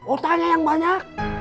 oh tanya yang banyak